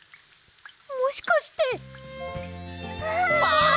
もしかして！わ！